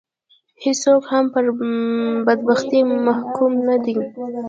هېڅوک هم پر بدبختي محکوم نه دي